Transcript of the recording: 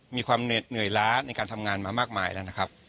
มีความเหนื่อยล้าในการทำงานมามากมายแล้วนะครับ